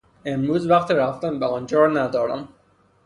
امروز وقت رفتن به آنجا را ندارم.